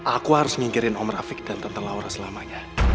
aku harus nginggirin om rafiq dan tante laura selamanya